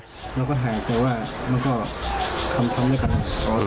มันก็หายแต่ว่ามันก็คำพร้อมด้วยกันนะ